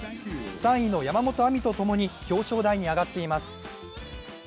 ３位の山本亜美とともに表彰台に上がっています。